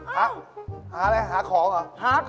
หาอะไรหาของเหรอ